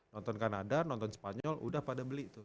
nonton kanada nonton spanyol udah pada beli tuh